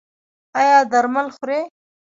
ایا درمل خورئ؟